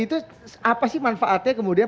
itu apa sih manfaatnya kemudian